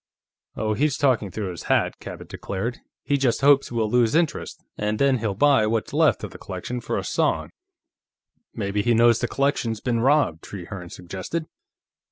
"Oh, he's talking through his hat!" Cabot declared. "He just hopes we'll lose interest, and then he'll buy what's left of the collection for a song." "Maybe he knows the collection's been robbed," Trehearne suggested.